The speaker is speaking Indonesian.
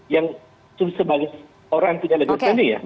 yang sebagai orang yang punya lega spending